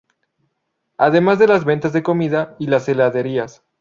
Además de las ventas de comida y las heladerías.